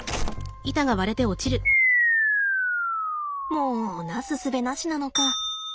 もうなすすべなしなのか。